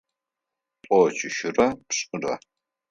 Тӏокӏищырэ пшӏырэ.